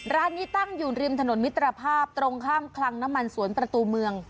ร้านนี้ตั้งอยู่ริมถนนมิตรภาพตรงข้ามคลังน้ำมันสวนประตูเมือง